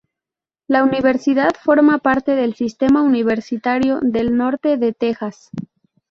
La universidad forma parte del Sistema Universitario del Norte de Texas.